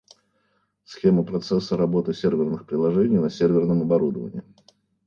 Схема процесса работы серверных приложений на серверном оборудовании